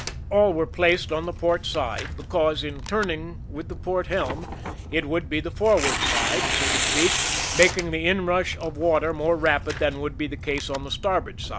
All were placed on the port side, because, in turning with the port helm, it would be the forward side, so to speak, making the inrush of water more rapid than would be the case on the starboard side.